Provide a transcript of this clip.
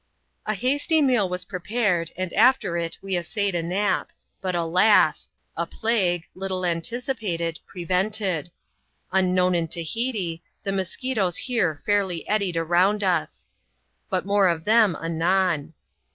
A hasty meal was prepared, and after it we essayed a nap ^ but, alas I a plague, little anticipated, prevented. Unknown in Tahiti, the musquitoes here fairly eddied round us. But more of them anon.